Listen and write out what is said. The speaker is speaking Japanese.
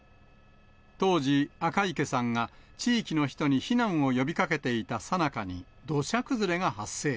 当時、赤池さんが地域の人に避難を呼びかけていたさなかに、土砂崩れが発生。